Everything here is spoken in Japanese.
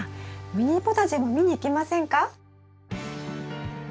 ミニポタジェも見に行きませんか？